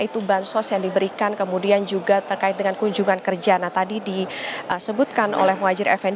itu bahan sos yang diberikan kemudian juga terkait dengan kunjungan kerja tadi disebutkan oleh mojire